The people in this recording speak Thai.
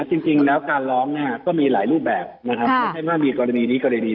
จริงแล้วการร้องเนี่ยก็มีหลายรูปแบบนะครับไม่ใช่ว่ามีกรณีนี้กรณีนี้